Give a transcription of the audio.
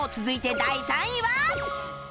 続いて第３位は